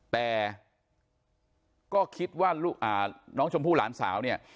แต่ก็คิดว่าน้องชมพู่หลานสาวเนี่ย